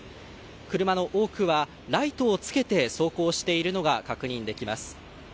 車の多くはライトをつけて走行しているのが確認できます。